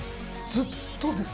ずっとです。